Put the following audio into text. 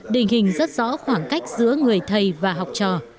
định hình rất rõ khoảng cách giữa người thầy và học trò